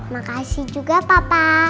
makasih juga papa